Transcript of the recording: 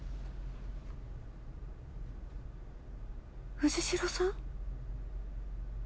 藤代さん！？